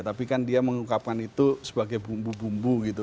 tapi kan dia mengungkapkan itu sebagai bumbu bumbu gitu